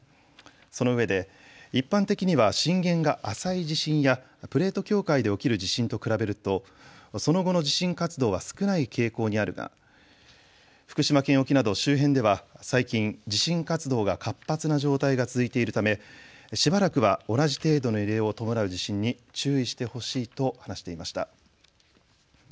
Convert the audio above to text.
そのうえで、一般的には震源が浅い地震やプレート境界で起きる地震と比べるとその後の地震活動は少ない傾向にあるが福島県沖など周辺では最近、地震活動が活発な状態が続いているためしばらくは同じ程度の揺れを伴う地震に注意してほしいと話していました。